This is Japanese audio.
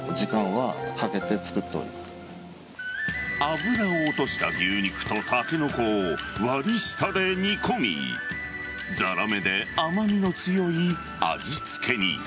脂を落とした牛肉とタケノコを割り下で煮込みザラメで甘みの強い味付けに。